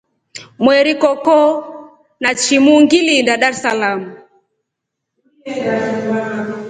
Mweri koko na chimu ngiliinda Darsalamu.